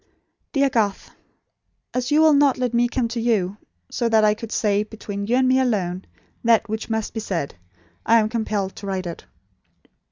"DEAR GARTH, As you will not let me come to you, so that I could say, between you and me alone, that which must be said, I am compelled to write it.